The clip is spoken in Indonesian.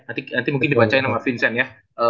nanti mungkin dibacain sama vincent ya